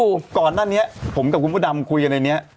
จำอะได้ไหมก่อนนั้นเนี่ยผมกับคุณผู้ดำคุยกันในนี้